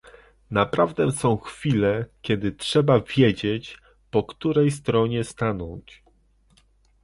Naprawdę są chwile, kiedy trzeba wiedzieć, po której stronie stanąć